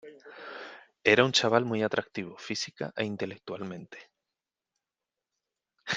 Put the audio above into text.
Era un chaval muy atractivo, física e intelectualmente.